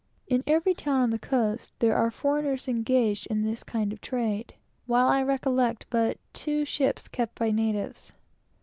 In every town on the coast there are foreigners engaged in this kind of trade, while I recollect but two shops kept by natives.